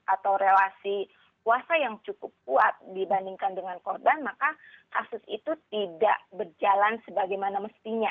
atau relasi kuasa yang cukup kuat dibandingkan dengan korban maka kasus itu tidak berjalan sebagaimana mestinya